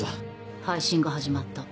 配信が始まった。